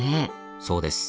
そうです。